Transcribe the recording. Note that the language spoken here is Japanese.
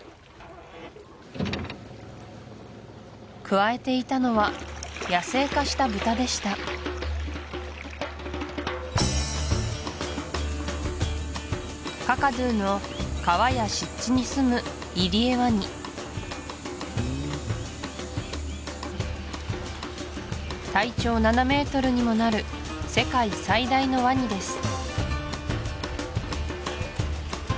くわえていたのは野生化したブタでしたカカドゥの川や湿地にすむイリエワニ体長７ｍにもなる世界最大のワニです